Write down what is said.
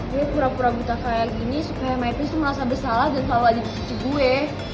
gue pura pura buta kayak gini supaya my prince tuh merasa bersalah dan kalau lagi kecik kecik gue